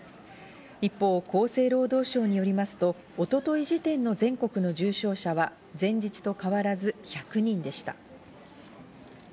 一方、厚生労働省によりますと、一昨日時点の全国の重症者は前日と変わらず１００人でした。